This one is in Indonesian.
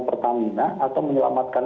pertamina atau menyelamatkan